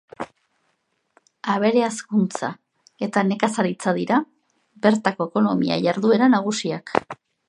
Abere-hazkuntza eta nekazaritza dira bertako ekonomia-jarduera nagusiak.